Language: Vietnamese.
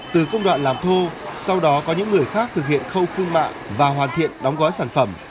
từ công đoạn làm thô sau đó có những người khác thực hiện khâu phương mạng và hoàn thiện đóng gói sản phẩm